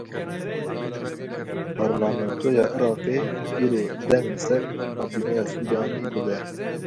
Parlamentoya Iraqê îro deng li ser kabîneya Sûdanî dide.